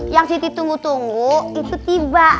yang siti tunggu tunggu itu tiba